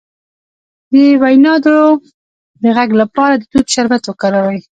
د وینادرو د غږ لپاره د توت شربت وکاروئ